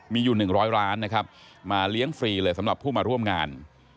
มีอยู่๑๐๐ร้านนะครับมาเลี้ยงฟรีเลยสำหรับผู้มาร่วมงาน